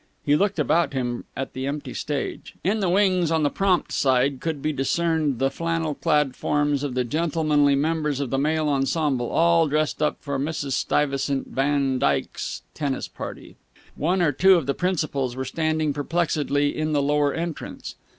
He looked about him at the empty stage. In the wings, on the prompt side, could be discerned the flannel clad forms of the gentlemanly members of the male ensemble, all dressed up for Mrs. Stuyvesant van Dyke's tennis party. One or two of the principals were standing perplexedly in the lower entrance.